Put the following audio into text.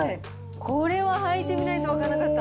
これは履いてみないと分からなかった。